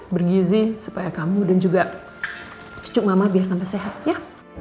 bergizi supaya kamu dan juga cucu mama biar tanpa sehat ya